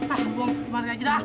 ah buang sekemarin aja dah